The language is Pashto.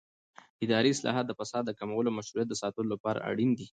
اداري اصلاحات د فساد د کمولو او مشروعیت د ساتلو لپاره اړین دي